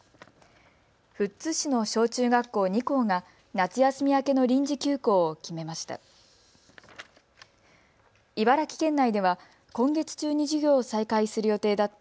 富津市の小中学校２校が夏休み明けの臨時休校を決めました。